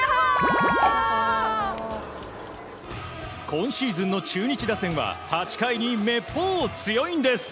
今シーズンの中日打線は８回にめっぽう強いんです。